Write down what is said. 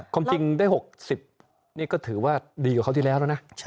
ความจริงได้หกสิบนี่ก็ถือว่าดีกว่าเขาที่แล้วนะ